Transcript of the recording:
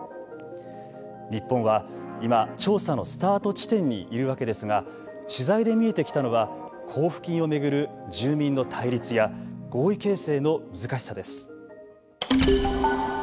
日本は今、調査のスタート地点にいるわけですが取材で見えてきたのは交付金を巡る住民の対立や合意形成の難しさです。